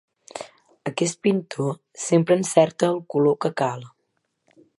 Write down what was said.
Aquest pintor sempre encerta el color que cal.